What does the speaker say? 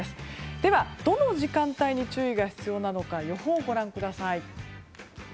では、どの時間帯に注意が必要なのか予報をご覧ください。